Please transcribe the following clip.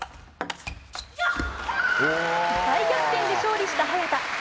大逆転で勝利した早田。